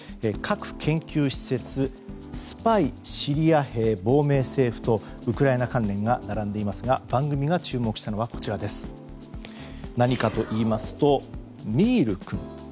核研究施設、スパイシリア兵、亡命政府とウクライナ関連が並んでいますが番組が注目したのは何かといいますとミール君。